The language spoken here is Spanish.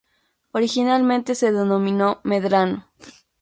Originalmente se denominó "Medrano".